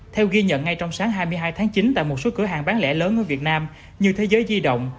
theo ghi nhận ngay trong sáng hai mươi hai tháng chín tại một số cửa hàng bán lẻ lớn ở việt nam như thế giới di động